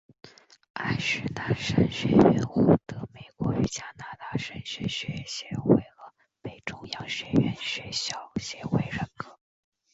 爱许兰神学院或得美国与加拿大神学学校协会和北中央学院学校协会认可。